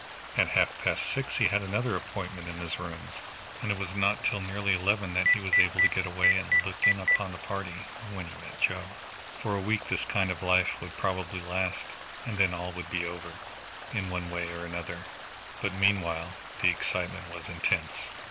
At half past six he had another appointment in his rooms, and it was not till nearly eleven that he was able to get away and look in upon the party, when he met Joe. For a week this kind of life would probably last, and then all would be over, in one way or another, but meanwhile the excitement was intense.